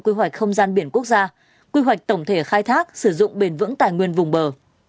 quy hoạch không gian biển quốc gia quy hoạch tổng thể khai thác sử dụng bền vững tài nguyên vùng bờ